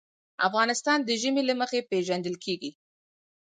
افغانستان د ژمی له مخې پېژندل کېږي.